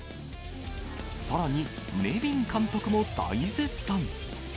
さらにネビン監督も大絶賛。